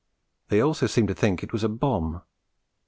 They also seemed to think it was a bomb.